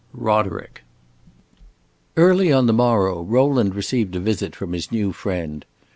Roderick Early on the morrow Rowland received a visit from his new friend.